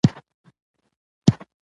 افغانستان به د مسلکي ښځو له کمښت سره مخ شي.